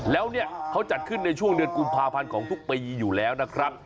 แล้วเนี่ยเขาจัดขึ้นในช่วงเดือนกุมภาพันธ์ของทุกปีอยู่แล้วนะครับ